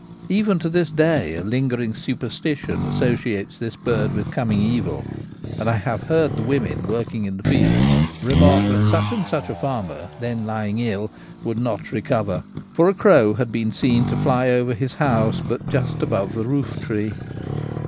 Even to this day a lingering superstition associates K 1 30 Tht Gamekeeper at Home. this bird with coming evil; and I have heard the women working in the fields remark that such and such a farmer then lying ill would not recover, for a crow had been seen to fly over his house but just above the roof tree.